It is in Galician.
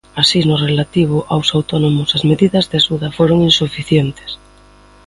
Así, no relativo aos autónomos, as medidas de axuda foron insuficientes.